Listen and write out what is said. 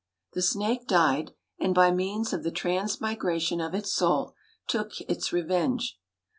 The snake died, and by means of the transmigration of its soul took its revenge.